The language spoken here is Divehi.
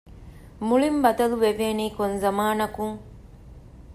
މުޅިން ބަދަލުވެވޭނީ ކޮން ޒަމާނަކުން؟